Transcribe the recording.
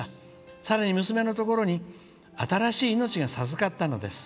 さらに娘のところに新しい命が授かったのです。